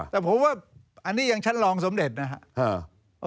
แต่ผมว่าอันนี้ยังชั้นรองสมเด็จนะครับ